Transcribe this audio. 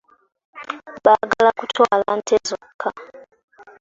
Baagala kutwala nte zokka.